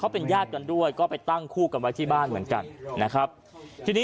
เป็นญาติกันด้วยก็ตั้งคู่กันในบ้าน